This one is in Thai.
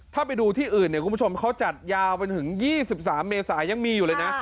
ถ้าไปดูที่อื่นเนี่ยคุณผู้ชมเขาจัดยาวไปถึง๒๓เมษายังมีอยู่เลยนะ